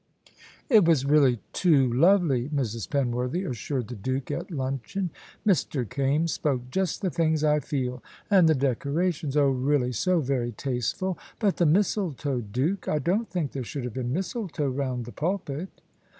"It was really too lovely," Mrs. Penworthy assured the Duke at luncheon. "Mr. Kaimes spoke just the things I feel. And the decorations oh, really so very tasteful. But the mistletoe, Duke. I don't think there should have been mistletoe round the pulpit."